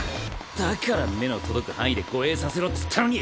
だから目の届く範囲で護衛させろっつったのに。